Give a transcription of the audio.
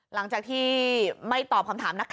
หลังจากที่ไม่ตอบคำถามนะครับ